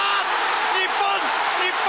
日本日本